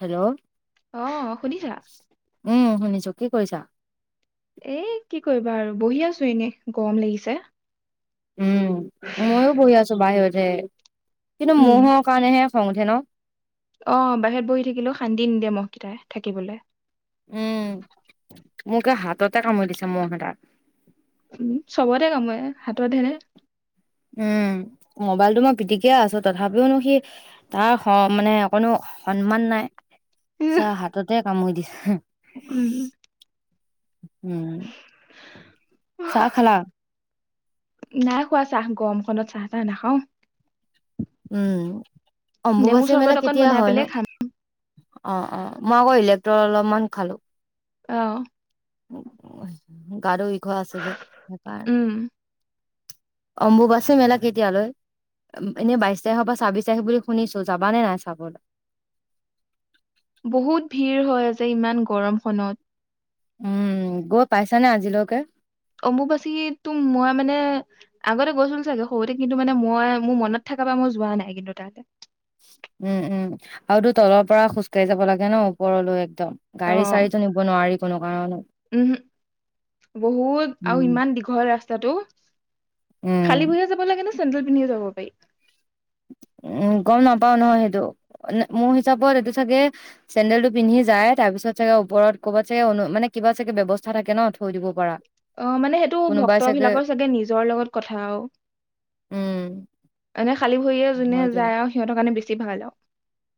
Hello অহ শুনিছা ত কি কৈছা এ কি কৰিবা আৰু বহি আছো এনেই গৰম লাগিছে উম ময়ো বহি আছো বাহিৰতে কিন্তু উম মহৰ কাৰণেহে খং উঠে ন অ বাহিৰত বহি থাকিলো শান্তি নিদে মহকেইটাই থাকিবলে উম মোকে হাতত তে কামৰি দিছো মহ কেইটাক উম চবতে কাম এ হাতত হে মোবাইলতটো মই পিটিকিয় আছো তথাপিওনো সি তাৰ মানে কোনো সন্মান নাই ছাহ হাততে কামুৰি দিছ হুম উম উম উম চাহ খালা নাই খোৱা চাহ গৰমখনত চাহ তাহ নাখাওঁ উম অম্বুবাচী চৰবত মেলা অকন কেতিয়া বনাই হয় নো পেলাই খাম অ অ মই আকৌ ইলেক্ট্ৰ অলপমান খালো অ [unintelligible] গা ধুই ঘৰ আছে যে সেইকাৰ উম অম্বুবাছী মেলা কেতিয়ালৈ এনে বাইছ তাৰিখ বা ছাব্বি তাৰিখ বুলি শুনিছো যাব নে নাই চাবলৈ বহুত ভিৰ হৈ আছে ইমান গৰমখনত উম গৈ পাইছানে আজিলৈকে অম্বুবাচীতো মই মানে আগতে গৈছিলো চাগে সৰুতে কিন্তু মানে মই মোৰ মনত থকা বা মই যোৱা নাই কিন্তু তাত উম উম আও তো তলৰ পৰা খোজকাঢ়ি যাব লাগে ন ওপৰলৈ একদম গাড়ী চাৰীতো নিব নোৱাৰি কোনো কাৰণত। উমহো বহুত আৰু উম। ইমান দীঘল ৰাস্তা টাটো খালী উম ভৰিয়ে যাব লাগে ন চেন্দেল পিন্ধি যাব পাই উম গম নাপাও নহয় সেইটো মোৰ হিচাপত এইটো চাগে চেন্দেলটো পিন্ধি যায় তাৰ পিছত চাগে ওপৰত ক'বাত চাগে অনু মানে কিবা চাগে ব্যৱস্থা থাকে ন থৈ দিব পৰা অ মানে সেইটো ভক্তবিলাকৰ চাগে নিজৰ লগত কথা আৰু উম মনে খালী ভৰি এ যোনে হয় দিয়া। যায় আৰু সিহতৰ কাৰণে বেছি ভাল আও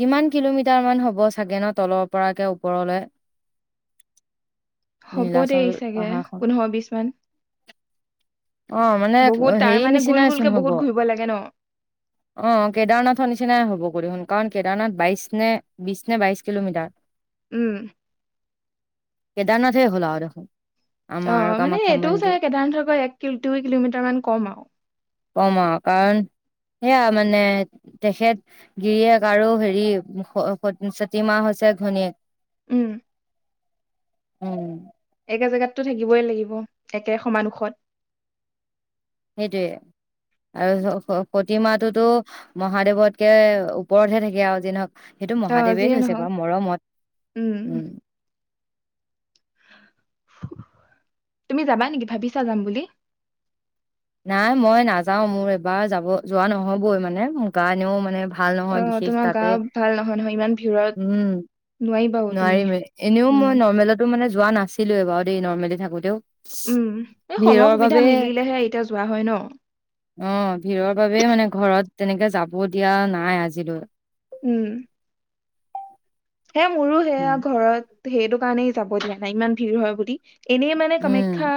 কিমান কিলোমিটাৰ মান হ'ব চাগে ন তলৰ পৰাকে ওপৰলৈ হ'ব দেই চাগে পোন্ধৰ বিশ মান অ মানে বহুত তাৰ হেৰি মানে গোল গোলকে নিচিনাইচোন হব বহুত ঘূৰিব লাগে ন? অ কেদাৰনাথৰ নিচিনাই হব সুন কাৰণ কেদাৰনাথ বাইশ নে বিশ নে বাইশ কিলোমিটাৰ উম কেদাৰনাথে হ'লা আৰু দেখোন অ আমাৰ মানে কামাখ্যা এইটোও মন্দিৰ চাই কেদাৰনাথৰক এক দুই কিলোমিটাৰ মান কম আৰু কম আৰু কাৰণ সেয়া মানে তেখেত গিৰিয়েক আৰু হেৰি সতীমাহ হৈছে ঘনীয়েক উম উম একে জেগাততো থাকিবই লাগিব একে সমান ওখত সেইটোৱে আৰু প্ৰতিমা টোতো মহাদেৱতকে ওপৰতহে থাকে আৰু যিনহক সেইটো অ' মহাদেৱে যিয়ে থৈছে নহওক বাৰু মৰমত উম তুমি যাবা নেকি ভাবিছা যাম বুলি নাই মই নাযাও মোৰ এবাৰ যাব যোৱা নহ'বই মানে গা এনেণও মানে ভাল নহয় অ বিশেষ তোমাৰ গা তাতে ভাল নহয় নহয় ইমান ভিৰত নোৱা নোৱাৰিম এনেও মই নৰ্মেলতো মানে যোৱা নাছিলোএ বাৰু দেই নৰ্মেলি থাকো দে উম এই সময় ভিৰৰ সুবিধা বাবে মিলিলেহে এতিয়া যোৱা হয় ন অ ভিৰৰ বাবে মানে ঘৰত তেনেকে যাব দিয়া নাই আজিলৈ উম সে মোৰো সেয়া উম ঘৰত ত সেইটো কাৰণেই যাব দিয়া নাই ইমান ভিৰ হয় বুলি এনেই মানে উম কামাখ্যা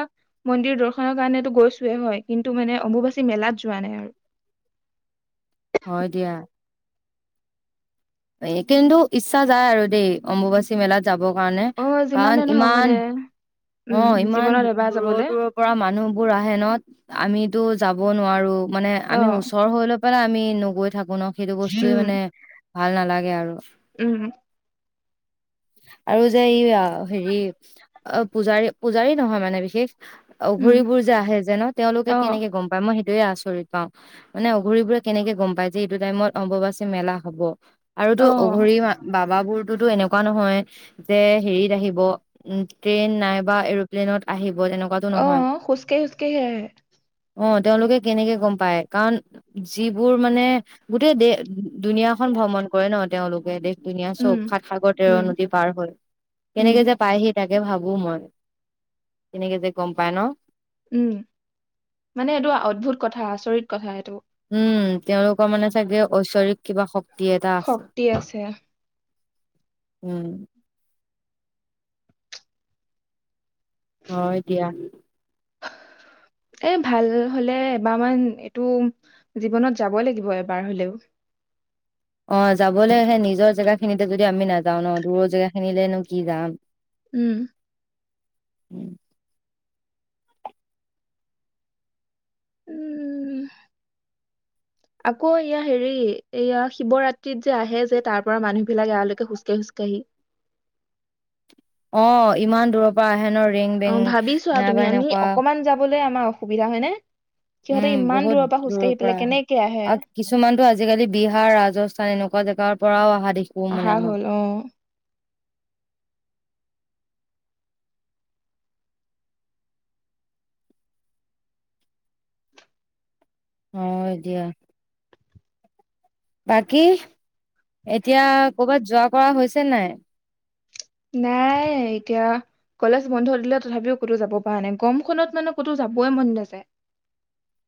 মন্দিৰ দৰ্শনৰ কাৰণে গৈছোৱেই হয় কিন্তু মানে অম্বুবাচী মেলাত যোৱা নাই আৰু হয় দিয়া এ কিন্তু ইচ্ছা যায় আৰু দেই অম্বুবাচী মেলাত যাবৰ কাৰণে অ কাৰণ যিমানে নহওক ইমান মানে অ উম ইমান জীৱনত এবাৰ দূৰৰ যাবলে দূৰৰ পৰা মানুহবোৰ আহে ন আমিতো যাব ক'ব নোৱাৰোঁ মানে অ আমি ওচৰ হ'লেও ইমান আমি নগৈ থাকো বনক সেইটো বস্তুৱে উম মানে ভাল নালাগে আৰু উম আৰু যে এই হেৰি অ পূজাৰী পূজাৰী নহয় মানে বিশেষ উম অঘৰীবোৰ যে আহে যে ন তেওঁলোকে অ কেনেকে গম পায় মই সেই এইয়ে আচৰিত পাওঁ মানে অঘৰি বোৰে কেনেকে গম পাই যে এইটো টাইমত অম্ববাচী মেলা হ'ব আৰু ত অ অঘৰী বাবাবোৰ তো এনেকুৱা নহয় যে হেৰিত আহিব যে ট্ৰেইন নাইবা এৰপ্লেনত আহিব তেনেকুৱাতো অ নহয় খোজ কাঢ়ি খোজ কাঢ়ি আহে অঁ তেওঁলোকে কেনেকে গম পায় কাৰণ যিবোৰ মানে গোটেই দে দুনীয়া খন ভ্ৰমণ কৰে ন তেওঁলোকে দেশ দুনীয়া চব উম সাত সাগৰ তেৰ উম নদী পাৰ হয় উম কেনেকে যে পাইহি তাক তাকে ভাবো মই কেনেকে যে গম পাই ন উম মানে এইটো অদ্ভুত কথা আচৰিত কথা এইটো উম তেওঁলোকৰ মানে চাগে ঐশ্বৰিক কিবা শ শক্তি আছে উম হয় দিয়া এ ভাল হলে এবাৰমান এইটো জীৱনত যাবই লাগিব এবাৰ হলেও অ যাবলৈ আহে নিজৰ জেগা খিনিতে যদি আমি নাযাও ন দূৰৰ জেগা খিনিলেনো কি যাম উম উম উম আকৌ এয়া হেৰি এয়া শিৱৰাত্ৰিত যে আহে যে তাৰ পৰা মানুহ বিলাক এয়ালৈকে খোজ কাঢ়ি খোজ কাঢ়ি অ ইমান দূৰৰ পৰা আহে ন ৰেং অ বেং ভাবি চোৱা নাইবা তুমি আমি এনেকুৱা অকমান যাবলে আমাৰ অসুবিধা হয় নে উম বহুত দূৰৰ পৰা আহে আৰু কিছুমানতটো আজিকালি বিহাৰ ৰাজস্থান এনেকুৱা জেগাৰ পৰাও অহা দেখো মানে আহা মই। হ'ল অহ অ এতিয়া। বাকী এতিয়া কৰবাত যোৱা কৰা হৈছে নাই? নাই এতিয়া কলেজ বন্ধ দিলে, তথাপিও ক'তো যাব পৰা নাই। গৰমখনত মানে ক'তো যাবই মন নাযায়।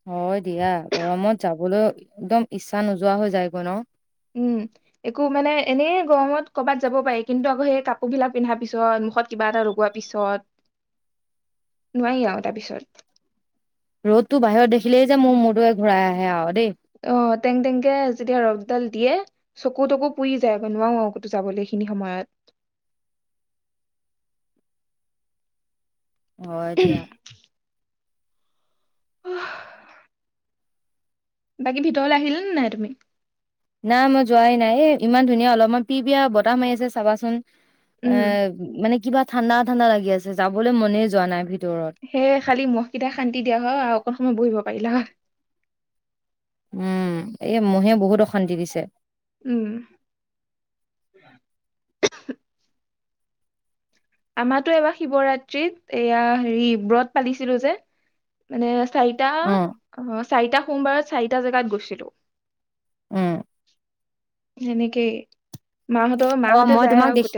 হয় দিয়া গৰমত যাবলৈ একদম ইচ্ছা নোযোৱা হৈ যায়গৈ ন উম একো মানে এনেই গৰমত কৰ'বাত যাব পাৰি। কিন্তু আকৌ সেই কাপোৰ বিলাক পিন্ধা পিছত মুখত কিবা এটা লগোৱা পিছত নোৱাৰি আৰু তাৰপিছত। ৰ'দটো বাহিৰত দেখিলেই যে', মোৰ মূৰটো ঘূৰাই আহে আৰু দেই। অহ', টেং-টেংকে যেতিয়া ৰ'দডাল দিয়ে চকু- তকু পুৰি যায়। নোৱাৰো আৰু ক'তো যাবলৈ এইখিনি সময়ত। হয়', দিয়া। আহ', বাকী ভিতৰলৈ আহিলা নে', নাই তুমি? নাই মই', যোৱাই নাই এ', ইমান ধুনীয়া অলপমান পি-পিয়া বতাহ মাৰি আছে, চাবাচোন। উম অ', মানে কিবা ঠাণ্ডা-ঠাণ্ডা লাগি আছে যাবলৈ মনেই যোৱা নাই ভিতৰ সেয় খালি মহকেইটা শান্তি দিয়া হয়', আৰু অকন সময় বহিব পাৰিলা হয়। উম', এই', মহে বহুত অশান্তি দিছে। উম', আমাৰতো এইবাৰ শিৱৰাত্ৰিত এয়া হেৰি ব্ৰত পালিছিলো যে -মানে, চাৰিটা অ', চাৰিটা সোমবাৰ চাৰিটা জেগাত গৈছিলো। উম', হেনেকে, অ', মই তোমাক দেখি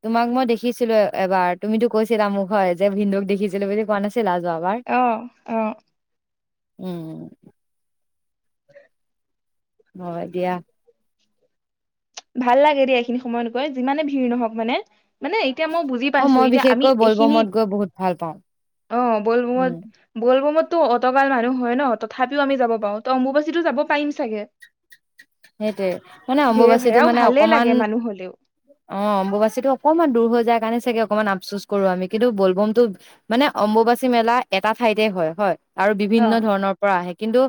-তোমাক মই দেখি দেখিছিলো এবাৰ তুমিতো, কৈছিলা মোক হয় যে ভিন্দক দেখিছিলো বুলি কোৱা নাছিলা? যোৱাবাৰ। অহ', -অহ', উম', হয় দিয়া। ভাল লাগে দেই, এইখিনি সময়ত গৈ যিমানে ভিৰ নহওক মানে। মানে এতিয়া মই বুজি অ পাইছো। মই এতিয়া আমি বিশেষকৈ বলবমত এইখিনিত গৈ বহুত ভাল পাওঁ। অ', উম। বলবমত', -বলবমত', ত', অতবাৰ মানুহ হয় ন', তথাপিও আমি যাব পাৰো ত', অম্বুবাচীটো যাব পাৰিম চাগে। সেইটোৱে মানে ভিৰে অম্ববচী ভেৰাও মানে ভালে অকমান লাগে মানুহ হলেও অ অম্বুবাচিতটো অকমান দূৰ হৈ যায় কাৰণে চাগে অকনমান আফচুচ কৰো আমি কিন্তু বলবমতো মানে অম্বুবাচী মেলা এটা ঠাইতে হয় আৰু অ বিভিন্ন ধৰণৰ পৰা আহে কিন্তু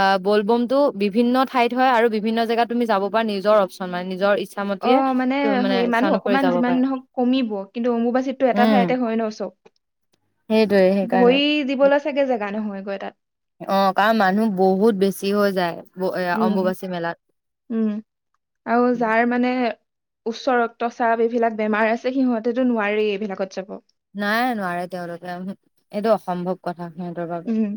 অ বলবমতটো বিভিন্ন ঠাইত হয় আৰু বিভিন্ন জেগাত তুমি যাব পৰা নিজৰ অশচন মান নিজৰ ইচ্ছামতে অ মানে ত হেই ইচ্ছা মানুহ অনুসৰি অকমান যাব পাৰা। যিমান নহওক কমিব কিন্তু অম্বুবাচিতততো এটা উম, ঠাইতে হয় ন চব সেইটোৱে সেইকাৰণে। ভৰি দিবলৈ চাগে জেগা নহয় হয় তাত অ কাৰণ মানুহ বহুত বেছি হৈ যায় ব- এ উম অম্বুবাচী মেলাত। উম আৰু যাৰ মানে উচ্চ ৰক্তচাপ এইবিলাক বেমাৰ আছে সিহঁতেতো নোৱাৰাৰে এইবিলাকত যাব নাই নোৱাৰে তেওঁলোকে এইটো অসম্ভৱ কথা ক সিহতৰ বাবে উম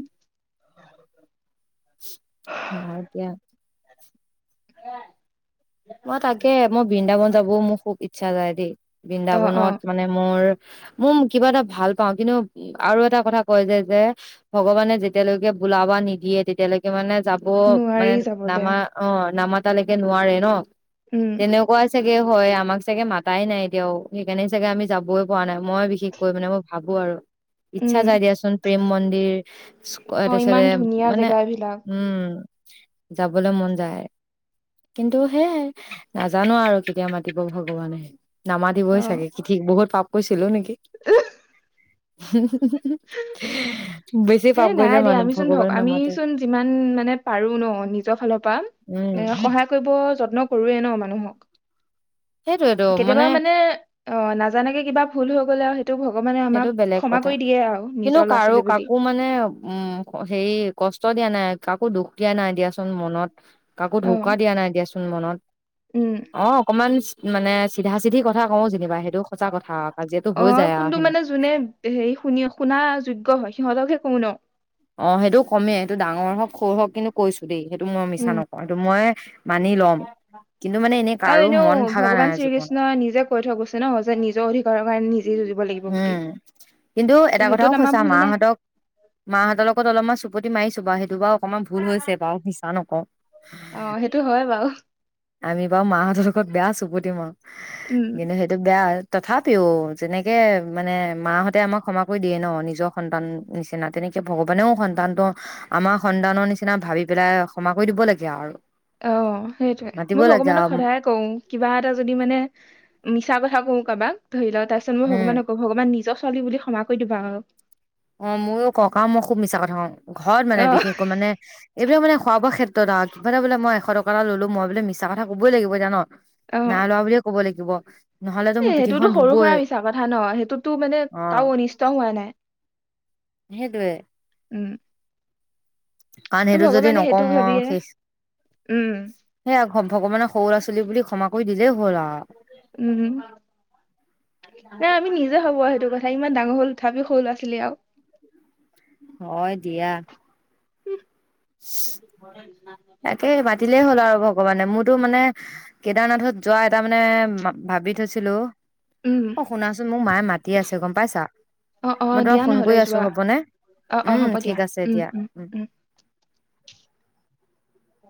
অ এতিয়া হ মই তাকে মই বৃন্দাবন যাবও মোৰ খুব ইচ্ছা যায় দেই অ অ বৃন্দাবনত মানে মোৰ মোৰ কিবা এটা ভাল পাও কিন্তু আৰু এটা কথা কয় যে যে ভগৱানে যেতিয়ালৈকে বোলাবা নিদিয়ে তেতিয়ালৈকে মানে যাব নোৱাৰি মানে যাবলে নামা অ নামা এ তালৈকে নোৱাৰে ন উম তেনেকুৱা চাগে হয় আমাক চাগে মাতাই নাই এতিয়াও সেইকাৰণে চাগে আমি যাবই পৰা নাই মই বিশেষকৈ মানে মোৰ ভাবো আৰু ইচ্ছা উম যাই দিয়াচোন প্ৰেম মন্দিৰ অ ইমান তাৰিছতে ধুনীয়া মানে জেগা এইবিলাক উম যাবলৈ মন যায় কিন্তু সেয়াই নাজানো আৰু কেতিয়া মাতিব ভগৱানে নামাতিবই চাগে কিঠিক বহুত পাপ কৈছিলো নেকি উহ হু হু হেই পাপ নাই কৰিলে দিয়া মানুহ আমি চোন ধক ভগৱানে নামাতে আমিচোন যিমান মানে পাৰো ন নিজৰ ফালৰ পৰা উম এ সহায় কৰিব যত্ন কৰোয়ে ন মানুহক কেতিয়াবা মানে অ নাজানাকে কিবা ভুল হক কলে' হয় টো ভগৱানে আম সেইটো বেলেগ ক্ষমা কথা কৰি দি কিন্তু কাৰো কাকো মানে উম হেৰি কষ্ট দিয়া নাই কাকো দুখ দিয়া নাই দিয়াচোন মনত কাকো অ ঢকা দিয়া নাই দিয়াচোন মনত উম অ অকনমান মানে চিধা চিধি কথা কও যেনিবা সেইটোও সঁচা কথা কাজিয়াটো অ হৈ যায় আহ কোনটো মানে সেনেকে যোনে হে শুন শুনা যোগ্য হয় সিহঁত অতকে কনো অ সেইটোও কমেই এইটো ডাঙৰ হওক সৰু হওক কিন্তু কৈছো দেই সেইটো মই মিছা উম নকওঁ এইটো মই মানি লম কিন্তু মানে এনেই আৰু কাৰো এনেও মন ভাগা নাই ভগৱান জীৱনত শ্ৰীকৃষ্ণই নিজে কৈ থৈ গৈছে ন যে নিজৰ অধিকাৰৰ কাৰণে নিজেই যুঁজিব লাগিব বুলি উম কিন্তু এটা ত' সেইটোত কথাও আমাৰ সচা ভুল নাই মাহঁতক মাহঁতৰ লগত অলপমান চুপুতি মাৰিছো বা সেইটো বাও অকমান ভুল হৈছে বাৰু মিছা নকওঁ অ সেইটো হয় বাৰু আমি বাৰু মাহঁতৰ লগত বেয়া চুপতি তিম উম কিন্তু সেইটো বেয়া তথাপি অঔ যেনেকে মানে মাহঁতে আমাক ক্ষমা কৰি দিয়ে ন নিজৰ সন্তান নিচিনা তেনেকে ভগৱানেও সন্তানটো আমাৰ সন্তানৰ নিচিনা ভাবি পেলাই ক্ষমা কৰি দিব লাগে আও আৰু অ সেইটোৱে মাতিব মই লাগে ভগৱানক আৰু সদায় কওঁ কিবা এটা যদি মানে মিছা কথা কথা কো কাৰবাক ধৰি লও তাৰ পিছত মো উম ভগৱানক ভগৱান নিজক চলি বুলি ক্ষমা কৰি দিবা আৰু অ ময়ো ককাও মই খুব মিছা কথা কওঁ ঘৰত মানে অ বিশেষকৈ মানে এইবিলাক মানে খোৱা বোৱা ক্ষেত্ৰত আও কিবা এটা বোলে মই এশ টকা ল'লো মই বোলে মিছ কথা ক'বই লাগিব এতিয়া ন অ নাই লোৱা বুলিয়ে ক'ব লাগিব যিব এ সেইটোতো সৰু সুৰা মিছা কথা ন সেইটোতটো মানে কাৰো অনিষ্ট হোৱা নাই সেইটোৱে উম কাৰণ ত সেইটো যদি ভগৱানে নকওঁ সেইটো মই ভাবিয়ে শেষ উম সেয়া ভগৱানে সৰু আছো চলি বুলি ক্ষম কৰি দিলেই হ'ল আৰু উম নাই আমি নিজে ভাবো আও সেইটো কথা ইমান ডাঙৰ হ'ল তথাপি সৰু ল'ৰা ছোৱালী আও হয় দিয়া তাকে মাতিলেই হ'ল আৰু ভগৱানে মোৰ টো মানে কেদাৰনাথত যোৱা এটা মানে ভাবি থৈছিলো উম অ শুনাচোন মোক মায়ে মাতি আছে গম পাইছা অ অ মই তোমাক দিয়া ফোন নহ'লে কৰি আছো যোৱা হ'বনে অ অ উম হ'ব দিয়া ঠিক আছে এতিয়া উম